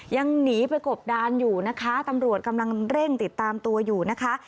ยังหนีไปกบดานอยู่นะคะตำรวจกำลังเร่งติดตามตัวอยู่นะคะ